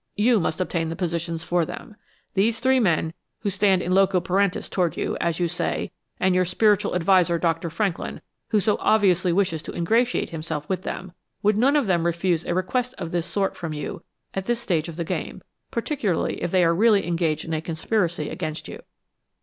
You must obtain the positions for them. These three men who stand in loco parentis toward you, as you say, and your spiritual adviser, Dr. Franklin, who so obviously wishes to ingratiate himself with them, would none of them refuse a request of this sort from you at this stage of the game, particularly if they are really engaged in a conspiracy against you.